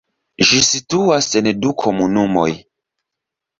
Ĝi situas en du komunumoj.